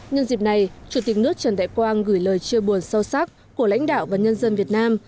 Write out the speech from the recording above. nhân dịp này chủ tịch nước trần đại quang gửi lời chia buồn sâu sắc của lãnh đạo và nhân dân việt nam